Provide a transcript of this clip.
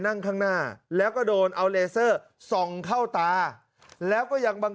นั่งข้างหน้าแล้วก็โดนเอาเลเซอร์ส่องเข้าตาแล้วก็ยังบาง